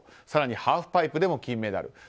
更にハーフパイプでも金メダル。